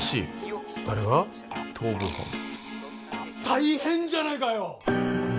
大変じゃないかよ！